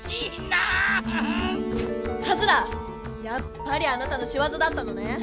やっぱりあなたのしわざだったのね！